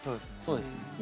そうですね。